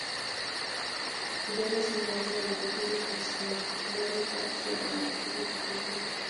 Debe su nombre a la República de España, Madre Patria de la República Argentina.